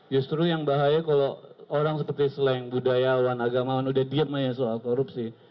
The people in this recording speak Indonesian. justru yang bahaya kalau orang seperti sleng budayawan agamawan udah diem aja soal korupsi